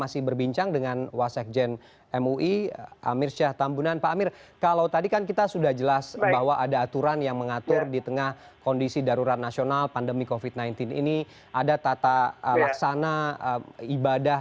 sidang isbat segera kembali